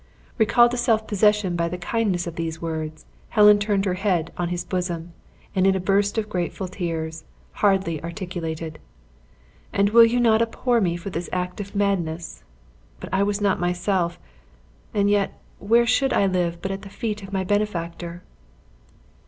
Recalled to self possession by the kindness of these words, Helen turned her head on his bosom, and in a burst of grateful tears, hardly articulated: "And will you not abhor me for this act of madness? But I was not myself. And yet, where should I live but at the feet of my benefactor?"